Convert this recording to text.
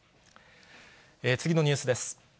次のニュースです。